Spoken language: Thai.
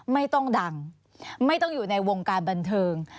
ไม่ต้องดังไม่ต้องอยู่ในวงการบันเทิง